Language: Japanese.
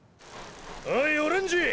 おいオレンジ！